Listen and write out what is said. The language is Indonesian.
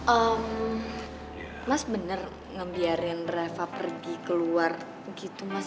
eh mas bener ngebiarin reva pergi keluar gitu mas